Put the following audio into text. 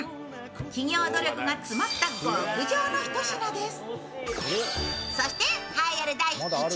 企業努力が詰まった極上のひと品です。